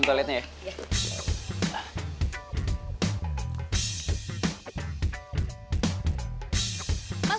toilet sebelah mana ya